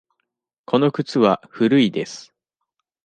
この靴は古いです。